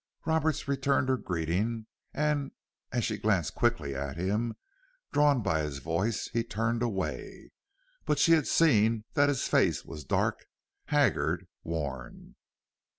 Roberts returned her greeting, and as she glanced quickly at him, drawn by his voice, he turned away. But she had seen that his face was dark, haggard, worn.